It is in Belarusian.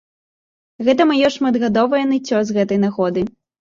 Гэтае маё шматгадовая ныццё з гэтай нагоды.